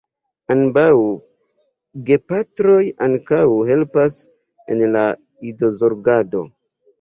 Ambaŭ gepatroj ankaŭ helpas en la idozorgado.